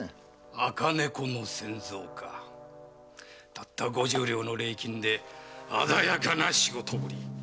たった五十両の礼金で鮮やかな仕事ぶり。